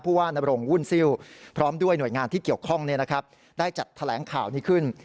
ว่านบรงวุ่นซิลพร้อมด้วยหน่วยงานที่เกี่ยวข้องได้จัดแถลงข่าวนี้ขึ้น